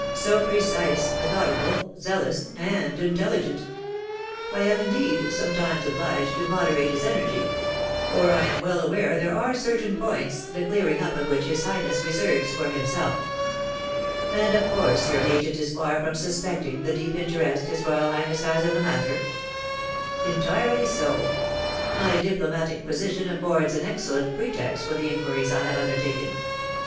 so precise, methodical, zealous, and intelligent! I am, indeed, sometimes obliged to moderate his energy; for I am well aware there are certain points, the clearing up of which his highness reserves for himself." "And, of course, your agent is far from suspecting the deep interest his royal highness has in the matter?" "Entirely so. My diplomatic position affords an excellent pretext for the inquiries I have undertaken.